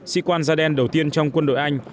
sĩ quan gia đen đầu tiên trong quân đội anh